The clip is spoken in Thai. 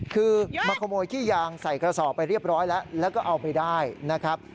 คือมาขโมยขี้ยางใส่กระสอบไปเรียบร้อยแล้วแล้วก็เอาไปได้นะครับ